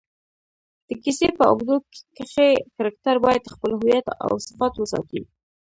د کیسې په اوږدو کښي کرکټرباید خپل هویت اوصفات وساتي.